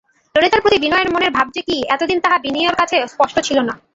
ললিতার প্রতি বিনয়ের মনের ভাব যে কী এতদিন তাহা বিনয়ের কাছে স্পষ্ট ছিল না।